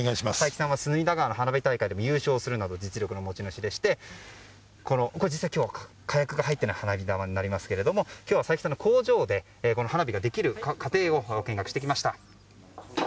齊木さんは隅田川の花火大会でも優勝するなどの実力の持ち主でして実際に今日は火薬が入っていない花火球ですが今日は齊木さんの工場で花火ができる過程を見学してきました。